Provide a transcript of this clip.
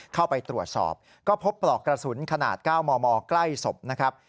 เข้าไปตรวจสอบก็พบปลอกกระสุนขนาด๙มมใกล้ศพนะครับ